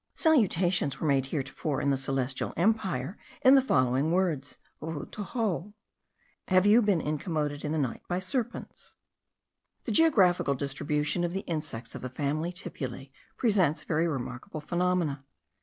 Salutations were made heretofore in the Celestial empire in the following words, vou to hou, Have you been incommoded in the night by the serpents? The geographical distribution of the insects of the family of tipulae presents very remarkable phenomena.